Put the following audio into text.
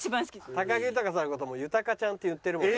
高木豊さんの事も「ゆたかちゃん」って言ってるもんね。